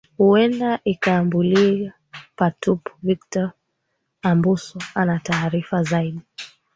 uenda ikaambulia patupu victor ambuso ana taarifa zaidi